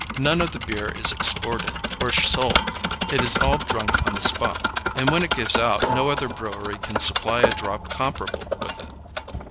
None of the beer is exported or sold; it is all drunk on the spot, and when it gives out no other brewery can supply a drop comparable with it.